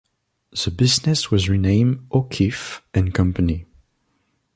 The business was renamed O'Keefe and Company.